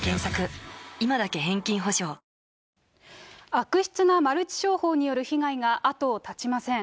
悪質なマルチ商法による被害が後を絶ちません。